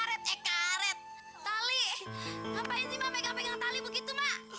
ngapain sih megang megang karet karet tali ngapain sih megang megang tali begitu mah